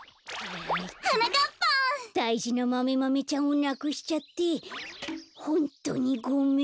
だいじなマメマメちゃんをなくしちゃってホントにごめん！